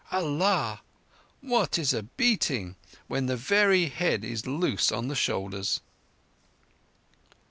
"Allah! What is a beating when the very head is loose on the shoulders?"